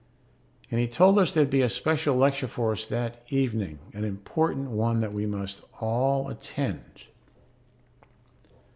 And he told us there'd be a special lecture for us that evening, an important one that we must all attend.